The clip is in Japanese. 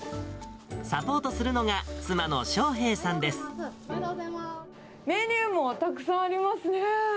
サポートするのが、メニューもたくさんあります